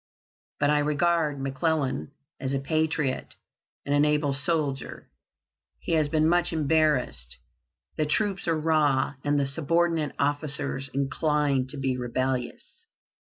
"But I regard McClellan as a patriot and an able soldier. He has been much embarrassed. The troops are raw, and the subordinate officers inclined to be rebellious.